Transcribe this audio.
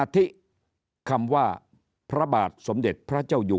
ที่คำว่าพระบาทสมเด็จพระเจ้าอยู่